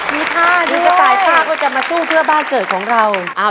มีท่าที่จะตายป้าก็จะมาสู้เพื่อบ้านเกิดของเรา